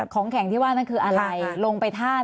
ของแข็งที่ว่านั่นคืออะไรลงไปธาตุ